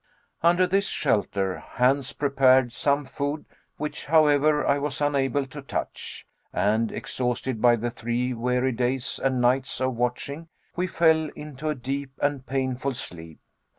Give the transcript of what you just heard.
Under this shelter, Hans prepared some food, which, however, I was unable to touch; and, exhausted by the three weary days and nights of watching, we fell into a deep and painful sleep.